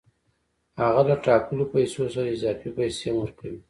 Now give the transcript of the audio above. هغه له ټاکلو پیسو سره اضافي پیسې هم ورکوي